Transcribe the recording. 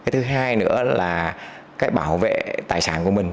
thứ hai nữa là cái bảo vệ tài sản của mình